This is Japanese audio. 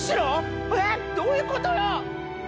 えっどういうことよ！？